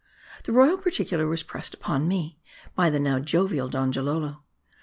The Royal Particular was pressed upon me, by the now jovial Donjalolo.